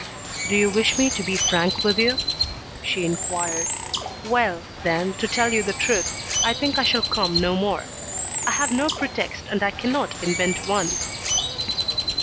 "Do you wish me to be frank with you?" she inquired. "Well, then, to tell you the truth, I think I shall come no more. I have no pretext, and I cannot invent one."